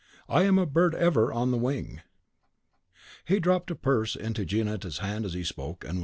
I am a bird ever on the wing." He dropped a purse into Gionetta's hand as he spoke, and was gone.